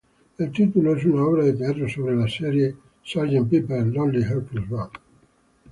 El título es una obra de teatro sobre la serie "Sgt.